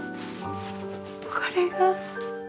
これが恋？